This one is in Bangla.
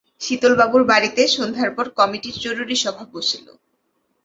শীতলবাবুর বাড়িতে সন্ধ্যার পর কমিটির জরুরি সভা বসিল।